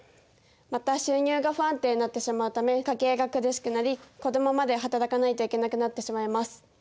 また収入が不安定になってしまうため家計が苦しくなり子どもまで働かないといけなくなってしまいます。